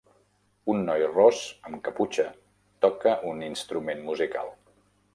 Un noi ros amb caputxa toca un instrument musical.